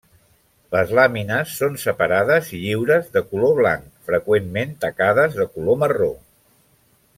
Les làmines són separades i lliures, de color blanc, freqüentment tacades de color marró.